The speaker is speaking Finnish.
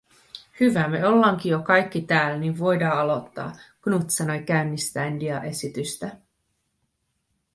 “Hyvä, me ollaanki jo kaikki tääl, ni voidaa alottaa”, Knut sanoi käynnistäen diaesitystä.